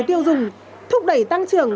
tiêu dùng thúc đẩy tăng trưởng